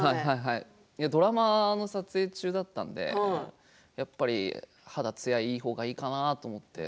ドラマの撮影中だったので、やっぱり肌つやがいい方がいいかなと思って。